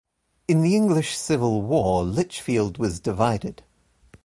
In the English Civil War, Lichfield was divided.